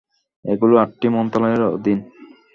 এগুলো আটটি মন্ত্রণালয়ের অধীন।